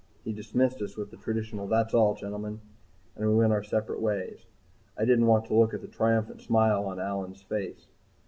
He dismissed us with the traditional "That's all, gentlemen," and we went out separate ways. I didn't want to look at the triumphant smile on Allyn's face.